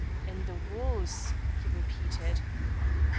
"In the wars!" he repeated.